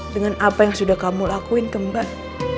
dengan apa yang sudah kamu lakuin kembali